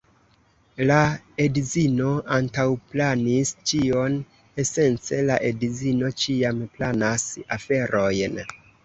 La edzino antaŭplanis ĉion, esence la edzino ĉiam planas aferojn.